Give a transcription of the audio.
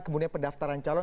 kemudian pendaftaran calon